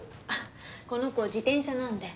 この子自転車なんで。